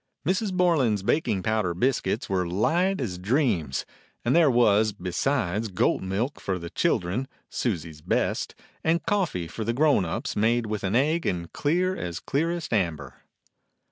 Mrs. Bor land baking powder biscuit were light as dreams, and there was, besides, goat's milk for the children (Susie's best) and coffee for the grown ups made with an egg and clear as clearest amber.